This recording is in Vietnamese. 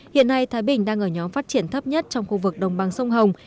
hiện nay thái bình đang ở nhóm phát triển thấp nhất trong khu vực đồng bằng sông hồng